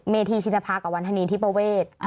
เมธีชินภากับวันธนีที่ประเวท